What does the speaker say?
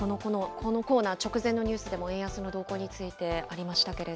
このコーナー、直前のニュースでも円安の動向についてありま